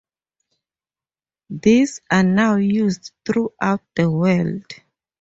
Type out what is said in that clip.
These are now used throughout the world.